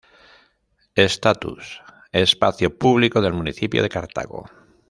Estatus: Espacio público del Municipio de Cartago.